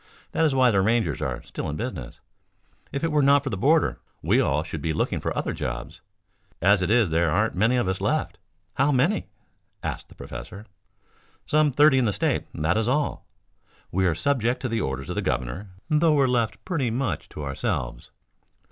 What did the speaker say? That is why the Rangers are still in business. If it were not for the border we all should be looking for other jobs. As it is there aren't many of us left." "How many?" asked the professor. "Some thirty in the state, that is all. We are subject to the orders of the governor, though we're left pretty much to ourselves."